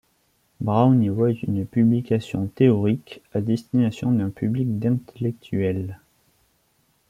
Braun y voit une publication théorique à destination d'un public d'intellectuels.